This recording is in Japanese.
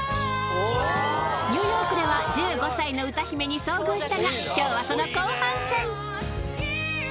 ニューヨークでは１５歳の歌姫に遭遇したが今日はその後半戦。